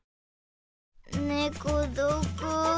ねこどこ？